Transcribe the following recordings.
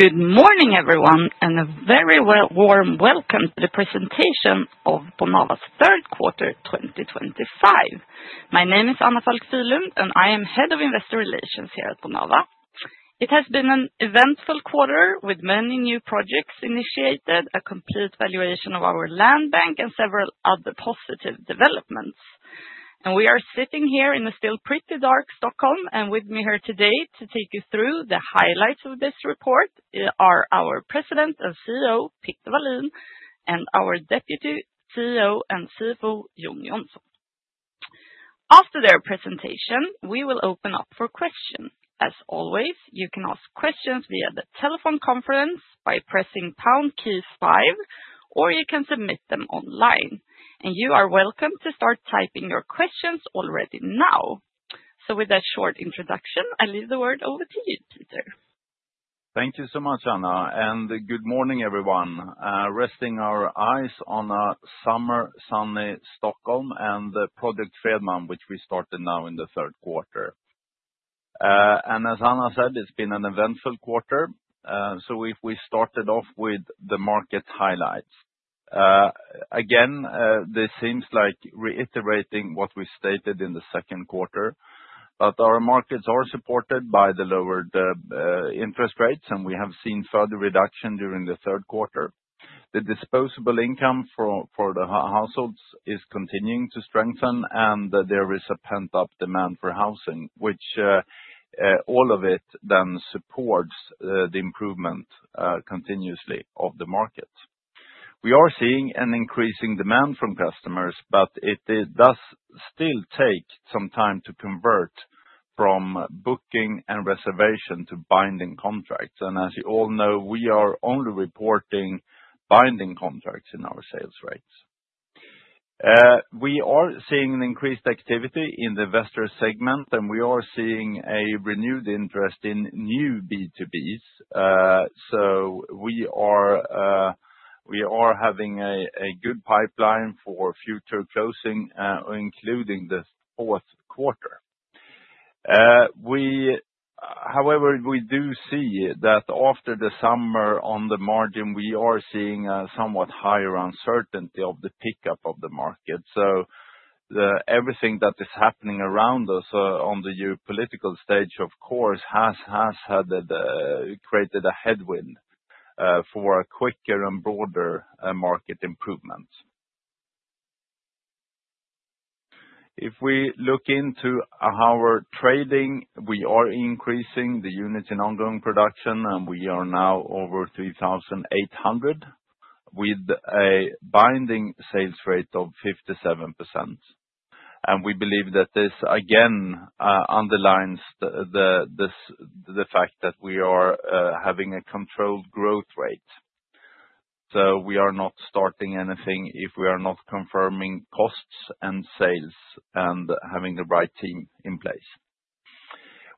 Good morning, everyone, and a very warm welcome to the presentation of Bonava's third quarter, 2025. My name is Anna Falck Fyhrlund, and I am head of investor relations here at Bonava. It has been an eventful quarter with many new projects initiated, a complete valuation of our land bank, and several other positive developments, and we are sitting here in the still pretty dark Stockholm, and with me here today to take you through the highlights of this report are our President and CEO, Peter Wallin, and our Deputy CEO and CFO, Jon Johnsson. After their presentation, we will open up for questions. As always, you can ask questions via the telephone conference by pressing pound key five, or you can submit them online, and you are welcome to start typing your questions already now, so with that short introduction, I leave the word over to you, Peter. Thank you so much, Anna, and good morning, everyone. Resting our eyes on a summer sunny Stockholm and the project Fredman, which we started now in the third quarter, and as Anna said, it's been an eventful quarter, so if we started off with the market highlights, again, this seems like reiterating what we stated in the second quarter, but our markets are supported by the lowered interest rates, and we have seen further reduction during the third quarter. The disposable income for the households is continuing to strengthen, and there is a pent-up demand for housing, which all of it then supports the improvement continuously of the markets. We are seeing an increasing demand from customers, but it does still take some time to convert from booking and reservation to binding contracts, and as you all know, we are only reporting binding contracts in our sales rates. We are seeing an increased activity in the investor segment, and we are seeing a renewed interest in new B2Bs, so we are having a good pipeline for future closing, including the fourth quarter. However, we do see that after the summer, on the margin, we are seeing a somewhat higher uncertainty of the pickup of the market, so everything that is happening around us on the geopolitical stage, of course, has created a headwind for a quicker and broader market improvement. If we look into our trading, we are increasing the units in ongoing production, and we are now over 3,800 with a binding sales rate of 57%, and we believe that this again underlines the fact that we are having a controlled growth rate, so we are not starting anything if we are not confirming costs and sales and having the right team in place.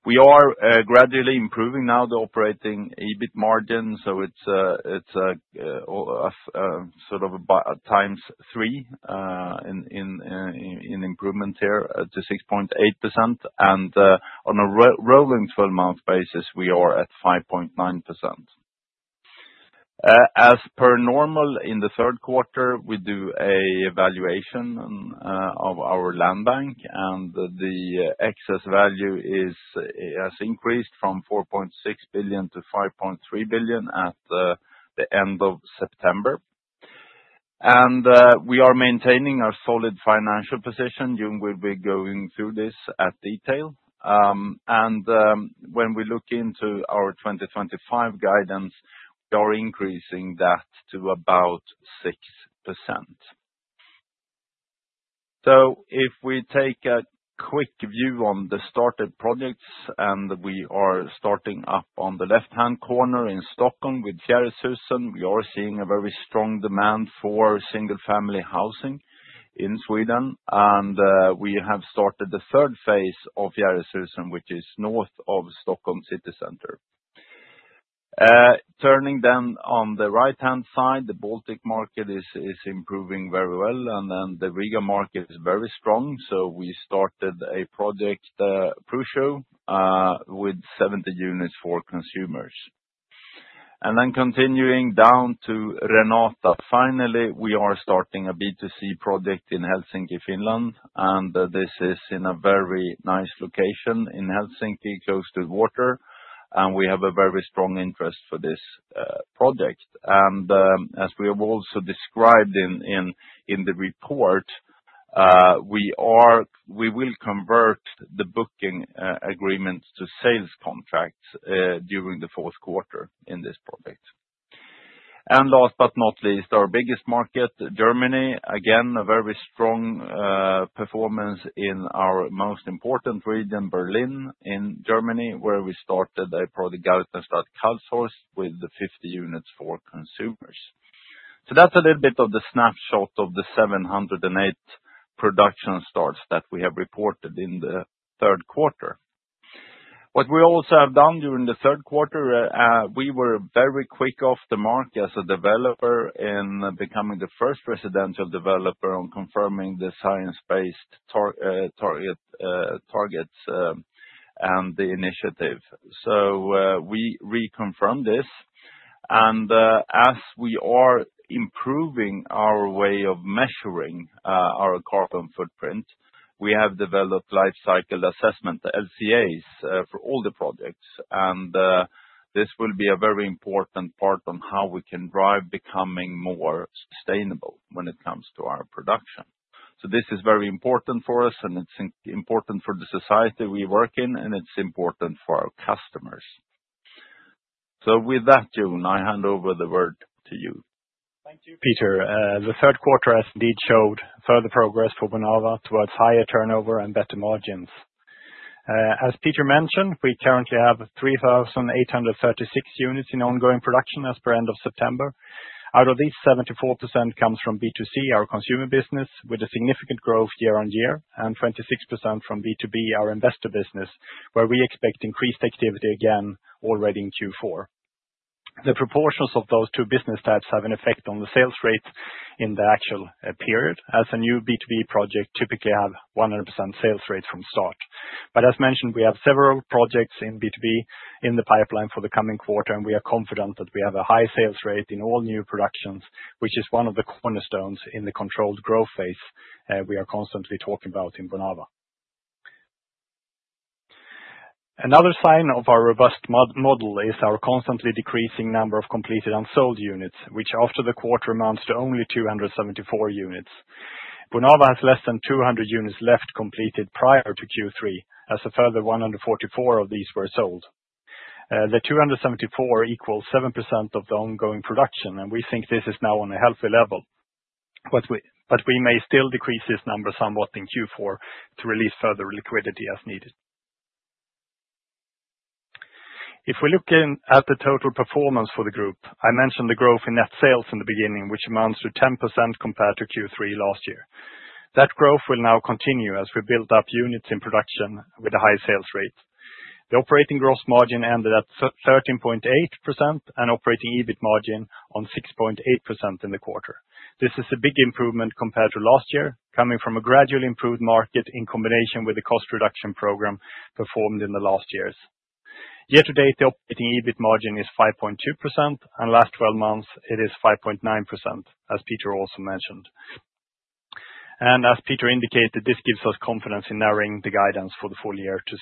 We are gradually improving now the operating EBIT margin, so it's sort of times three in improvement here to 6.8%. And on a rolling 12-month basis, we are at 5.9%. As per normal, in the third quarter, we do an evaluation of our land bank, and the excess value has increased from 4.6 billion to 5.3 billion at the end of September. And we are maintaining our solid financial position. Jon will be going through this in detail. And when we look into our 2025 guidance, we are increasing that to about 6%. So if we take a quick view on the started projects, and we are starting up on the left-hand corner in Stockholm with Fjärrhusen, we are seeing a very strong demand for single-family housing in Sweden. And we have started the third phase of Fjärrhusen, which is north of Stockholm city center. Turning then on the right-hand side, the Baltic market is improving very well, and then the Riga market is very strong. So we started a project Prūšu Nami with 70 units for consumers. And then continuing down to Renata, finally, we are starting a B2C project in Helsinki, Finland. And this is in a very nice location in Helsinki, close to the water. And we have a very strong interest for this project. And as we have also described in the report, we will convert the booking agreements to sales contracts during the fourth quarter in this project. And last but not least, our biggest market, Germany, again, a very strong performance in our most important region, Berlin, in Germany, where we started a product Gartenstadt Karlshorst with 50 units for consumers. So that's a little bit of the snapshot of the 708 production starts that we have reported in the third quarter. What we also have done during the third quarter, we were very quick off the mark as a developer in becoming the first residential developer on confirming the Science-Based Targets and the initiative. So we reconfirmed this. And as we are improving our way of measuring our carbon footprint, we have developed Life Cycle Assessment, LCAs, for all the projects. And this will be a very important part on how we can drive becoming more sustainable when it comes to our production. So this is very important for us, and it's important for the society we work in, and it's important for our customers. So with that, Jon, I hand over the word to you. Thank you, Peter. The third quarter has indeed showed further progress for Bonava towards higher turnover and better margins. As Peter mentioned, we currently have 3,836 units in ongoing production as per end of September. Out of these, 74% comes from B2C, our consumer business, with a significant growth year on year, and 26% from B2B, our investor business, where we expect increased activity again already in Q4. The proportions of those two business types have an effect on the sales rate in the actual period, as a new B2B project typically has a 100% sales rate from start. But as mentioned, we have several projects in B2B in the pipeline for the coming quarter, and we are confident that we have a high sales rate in all new productions, which is one of the cornerstones in the controlled growth phase we are constantly talking about in Bonava. Another sign of our robust model is our constantly decreasing number of completed and sold units, which after the quarter amounts to only 274 units. Bonava has less than 200 units left completed prior to Q3, as a further 144 of these were sold. The 274 equals 7% of the ongoing production, and we think this is now on a healthy level. But we may still decrease this number somewhat in Q4 to release further liquidity as needed. If we look at the total performance for the group, I mentioned the growth in net sales in the beginning, which amounts to 10% compared to Q3 last year. That growth will now continue as we build up units in production with a high sales rate. The operating gross margin ended at 13.8% and operating EBIT margin on 6.8% in the quarter. This is a big improvement compared to last year, coming from a gradually improved market in combination with the cost reduction program performed in the last years. Year-to-date, the operating EBIT margin is 5.2%, and last 12 months, it is 5.9%, as Peter also mentioned, and as Peter indicated, this gives us confidence in narrowing the guidance for the full year to 6%.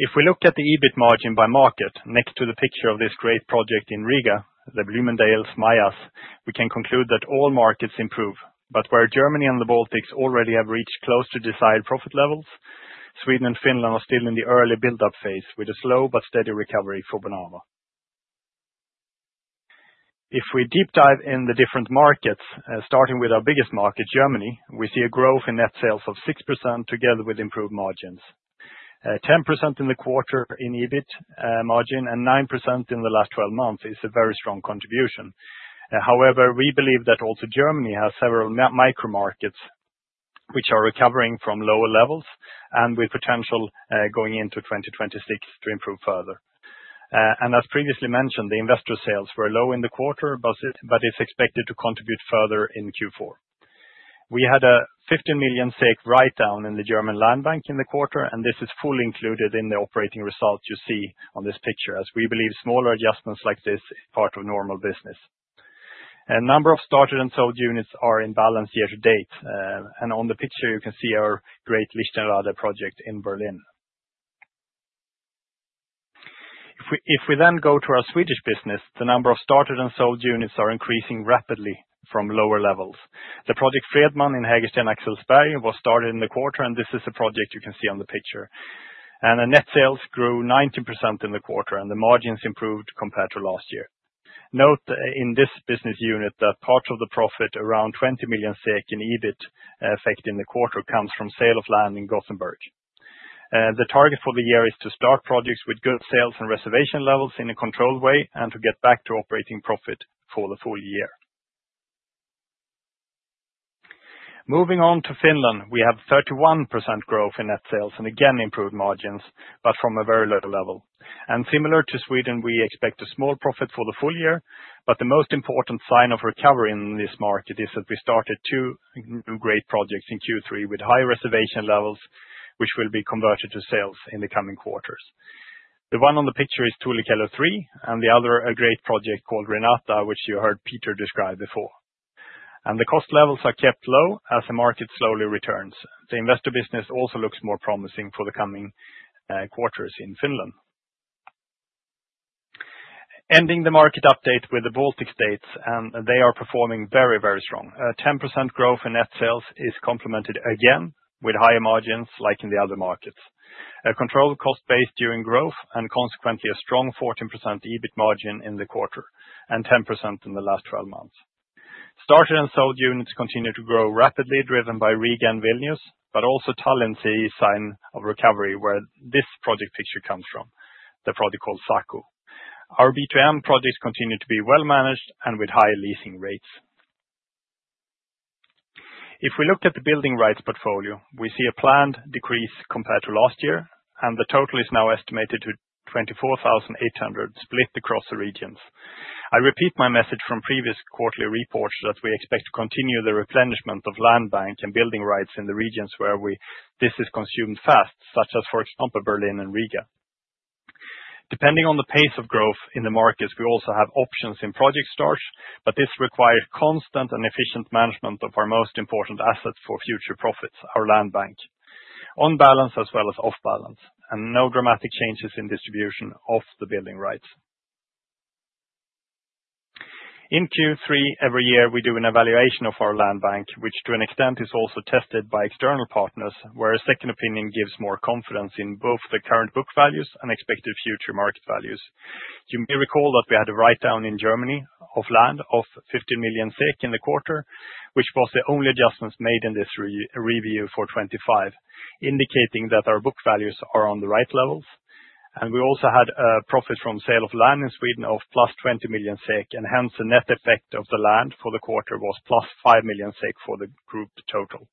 If we look at the EBIT margin by market, next to the picture of this great project in Riga, the Blūmendāles mājas, we can conclude that all markets improve, but where Germany and the Baltics already have reached close to desired profit levels, Sweden and Finland are still in the early build-up phase with a slow but steady recovery for Bonava. If we deep dive in the different markets, starting with our biggest market, Germany, we see a growth in net sales of 6% together with improved margins. 10% in the quarter in EBIT margin and 9% in the last 12 months is a very strong contribution. However, we believe that also Germany has several micro-markets which are recovering from lower levels and with potential going into 2026 to improve further, and as previously mentioned, the investor sales were low in the quarter, but it's expected to contribute further in Q4. We had a 15 million SEK write-down in the German land bank in the quarter, and this is fully included in the operating result you see on this picture, as we believe smaller adjustments like this are part of normal business. A number of started and sold units are in balance year-to-date. On the picture, you can see our great Lichtenrade project in Berlin. If we then go to our Swedish business, the number of started and sold units are increasing rapidly from lower levels. The project Fredman in Hägersten-Axelsberg was started in the quarter, and this is a project you can see on the picture. The net sales grew 19% in the quarter, and the margins improved compared to last year. Note in this business unit that part of the profit, around 20 million SEK in EBIT effect in the quarter, comes from sale of land in Gothenburg. The target for the year is to start projects with good sales and reservation levels in a controlled way and to get back to operating profit for the full year. Moving on to Finland, we have 31% growth in net sales and again improved margins, but from a very low level, and similar to Sweden, we expect a small profit for the full year, but the most important sign of recovery in this market is that we started two great projects in Q3 with high reservation levels, which will be converted to sales in the coming quarters. The one on the picture is Tullikello 3, and the other a great project called Renata, which you heard Peter describe before, and the cost levels are kept low as the market slowly returns. The investor business also looks more promising for the coming quarters in Finland. Ending the market update with the Baltic states, and they are performing very, very strong. 10% growth in net sales is complemented again with higher margins like in the other markets. A controlled cost base during growth and consequently a strong 14% EBIT margin in the quarter and 10% in the last 12 months. Started and sold units continue to grow rapidly, driven by Riga and Vilnius, but also Tallinn see a sign of recovery where this project picture comes from, the project called Saku. Our B2M projects continue to be well managed and with high leasing rates. If we look at the building rights portfolio, we see a planned decrease compared to last year, and the total is now estimated to 24,800 split across the regions. I repeat my message from previous quarterly reports that we expect to continue the replenishment of land bank and building rights in the regions where this is consumed fast, such as, for example, Berlin and Riga. Depending on the pace of growth in the markets, we also have options in project starts, but this requires constant and efficient management of our most important asset for future profits, our land bank, on balance as well as off balance, and no dramatic changes in distribution of the building rights. In Q3, every year, we do an evaluation of our land bank, which to an extent is also tested by external partners, where a second opinion gives more confidence in both the current book values and expected future market values. You may recall that we had a write-down in Germany of land of 15 million SEK in the quarter, which was the only adjustments made in this review for 2025, indicating that our book values are on the right levels. And we also had a profit from sale of land in Sweden of plus 20 million SEK, and hence the net effect of the land for the quarter was plus 5 million SEK for the group total.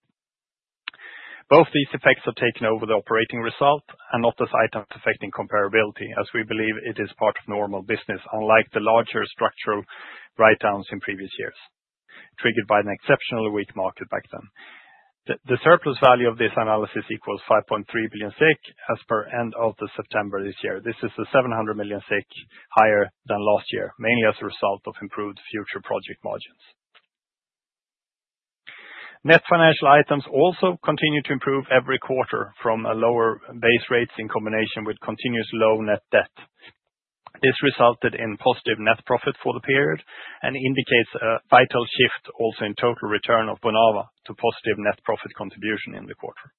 Both these effects are taken over the operating result and not as items affecting comparability, as we believe it is part of normal business, unlike the larger structural write-downs in previous years, triggered by an exceptionally weak market back then. The surplus value of this analysis equals 5.3 billion as per end of September this year. This is a 700 million higher than last year, mainly as a result of improved future project margins. Net financial items also continue to improve every quarter from lower base rates in combination with continuous low net debt. This resulted in positive net profit for the period and indicates a vital shift also in total return of Bonava to positive net profit contribution in the quarter.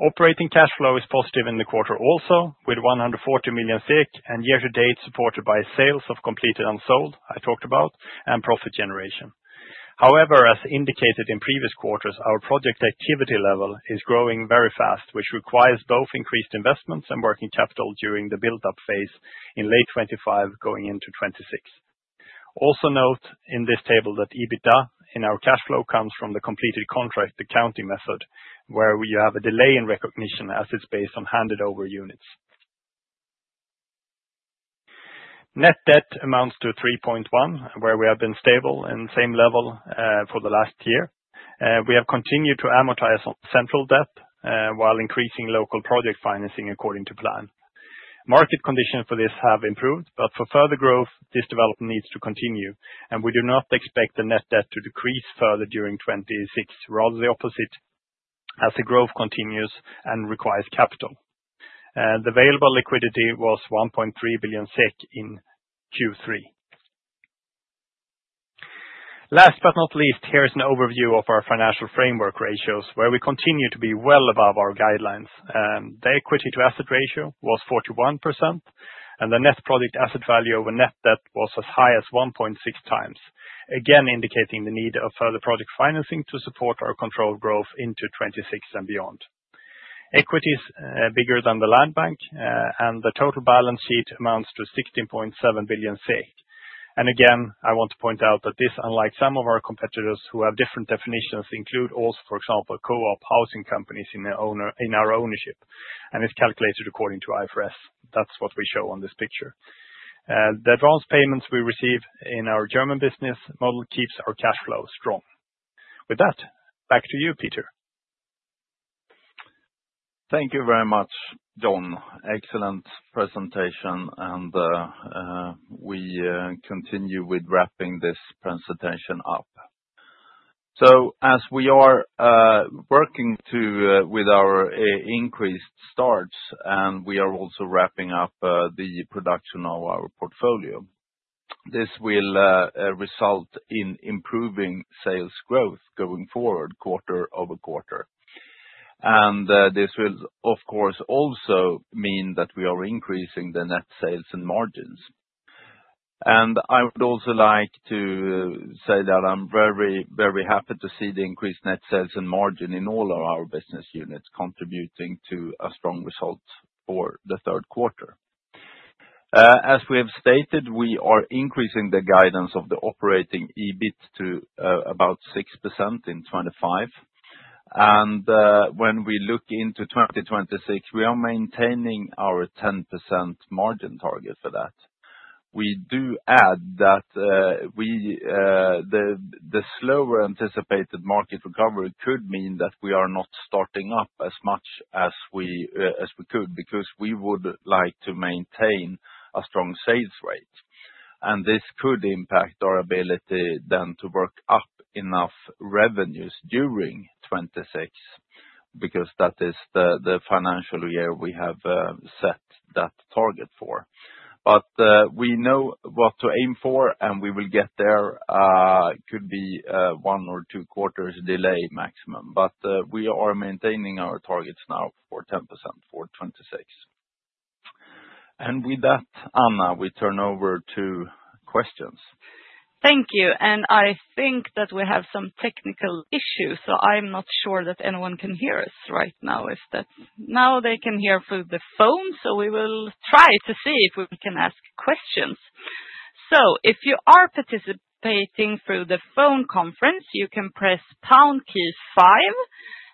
Operating cash flow is positive in the quarter also with 140 million and year-to-date supported by sales of completed and sold I talked about and profit generation. However, as indicated in previous quarters, our project activity level is growing very fast, which requires both increased investments and working capital during the build-up phase in late 2025 going into 2026. Also note in this table that EBITDA in our cash flow comes from the completed contract accounting method, where we have a delay in recognition as it's based on handed over units. Net debt amounts to 3.1, where we have been stable and same level for the last year. We have continued to amortize on central debt while increasing local project financing according to plan. Market conditions for this have improved, but for further growth, this development needs to continue, and we do not expect the net debt to decrease further during 2026, rather the opposite, as the growth continues and requires capital. The available liquidity was 1.3 billion SEK in Q3. Last but not least, here is an overview of our financial framework ratios, where we continue to be well above our guidelines. The equity to asset ratio was 41%, and the net project asset value over net debt was as high as 1.6 times, again indicating the need of further project financing to support our controlled growth into 2026 and beyond. Equity is bigger than the land bank, and the total balance sheet amounts to 16.7 billion. And again, I want to point out that this, unlike some of our competitors who have different definitions, includes also, for example, co-op housing companies in our ownership, and it's calculated according to IFRS. That's what we show on this picture. The advance payments we receive in our German business model keeps our cash flow strong. With that, back to you, Peter. Thank you very much, Jon. Excellent presentation, and we continue with wrapping this presentation up, so as we are working with our increased starts, and we are also wrapping up the production of our portfolio, this will result in improving sales growth going forward quarter over quarter, and this will, of course, also mean that we are increasing the net sales and margins, and I would also like to say that I'm very, very happy to see the increased net sales and margin in all of our business units contributing to a strong result for the third quarter. As we have stated, we are increasing the guidance of the operating EBIT to about 6% in 2025, and when we look into 2026, we are maintaining our 10% margin target for that. We do add that the slower anticipated market recovery could mean that we are not starting up as much as we could because we would like to maintain a strong sales rate. And this could impact our ability then to work up enough revenues during 2026 because that is the financial year we have set that target for. But we know what to aim for, and we will get there. It could be one or two quarters delay maximum, but we are maintaining our targets now for 10% for 2026. And with that, Anna, we turn over to questions. Thank you. And I think that we have some technical issues, so I'm not sure that anyone can hear us right now. If that's not, they can hear through the phone, so we will try to see if we can ask questions. So if you are participating through the phone conference, you can press pound key five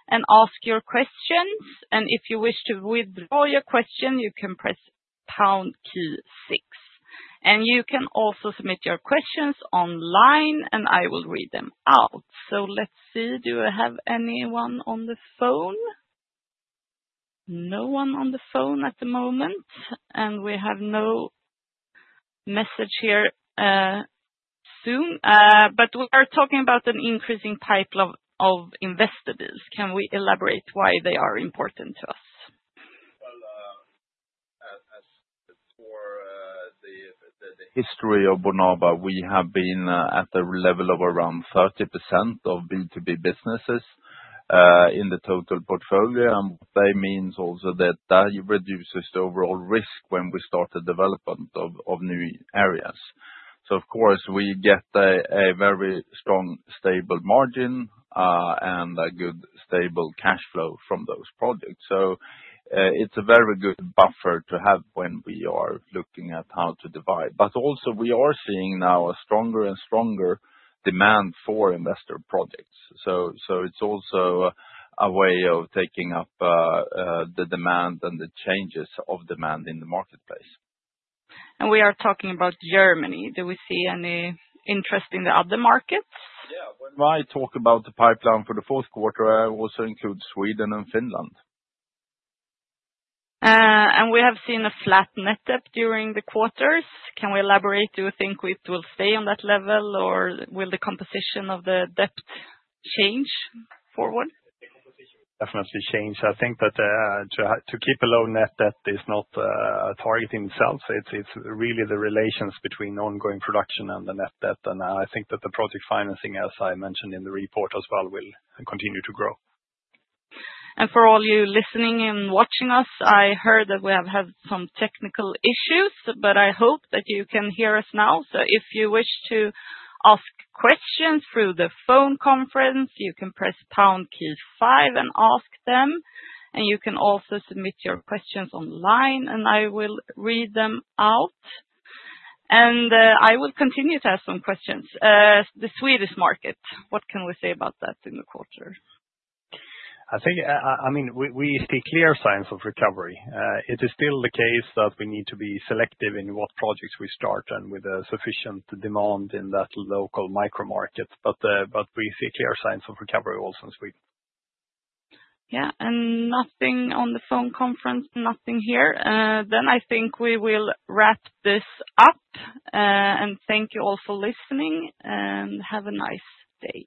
and ask your questions. And if you wish to withdraw your question, you can press pound key six. And you can also submit your questions online, and I will read them out. So let's see. Do I have anyone on the phone? No one on the phone at the moment. And we have no messages here so far. But we are talking about an increasing pipeline of investors. Can we elaborate why they are important to us? As for the history of Bonava, we have been at the level of around 30% of B2B businesses in the total portfolio. And what that means also is that that reduces the overall risk when we start the development of new areas. So of course, we get a very strong, stable margin and a good stable cash flow from those projects. So it's a very good buffer to have when we are looking at how to divide. But also, we are seeing now a stronger and stronger demand for investor projects. So it's also a way of taking up the demand and the changes of demand in the marketplace. And we are talking about Germany. Do we see any interest in the other markets? Yeah. When I talk about the pipeline for the fourth quarter, I also include Sweden and Finland. We have seen a flat net debt during the quarters. Can we elaborate? Do you think it will stay on that level, or will the composition of the debt change forward? It definitely changes. I think that to keep a low net debt is not a target in itself. It's really the relations between ongoing production and the net debt, and I think that the project financing, as I mentioned in the report as well, will continue to grow. And for all you listening and watching us, I heard that we have had some technical issues, but I hope that you can hear us now, so if you wish to ask questions through the phone conference, you can press pound key five and ask them, and you can also submit your questions online, and I will read them out, and I will continue to ask some questions. The Swedish market, what can we say about that in the quarter? I think, I mean, we see clear signs of recovery. It is still the case that we need to be selective in what projects we start and with sufficient demand in that local micro market. But we see clear signs of recovery also in Sweden. Yeah. And nothing on the phone conference, nothing here. Then I think we will wrap this up. And thank you all for listening, and have a nice day.